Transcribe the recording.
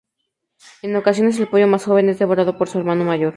En ocasiones el pollo más joven es devorado por su hermano mayor.